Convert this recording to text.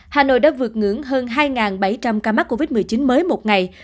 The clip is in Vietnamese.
hà nội đã vượt ngưỡng hơn hai bảy trăm linh ca mắc covid một mươi chín mới một ngày